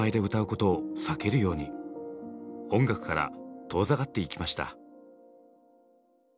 音楽から遠ざかっていきました。